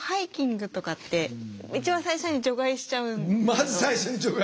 まず最初に除外？